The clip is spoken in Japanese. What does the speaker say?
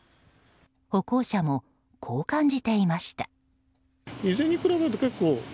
歩行者もこう感じていました。